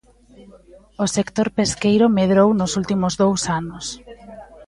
O sector pesqueiro medrou nos últimos dous anos.